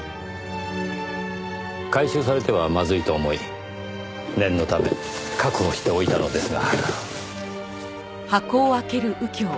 回収されてはまずいと思い念のため確保しておいたのですが。